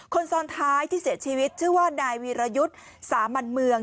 คนซ้อนท้ายที่เสียชีวิตชื่อว่านายวีรยุทธ์สามัญเมือง